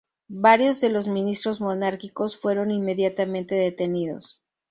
Varios de los ministros monárquicos fueron inmediatamente detenidos.